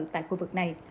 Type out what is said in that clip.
tại khu vực này